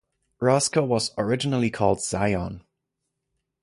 Roscoe was originally called Zion.